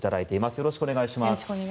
よろしくお願いします。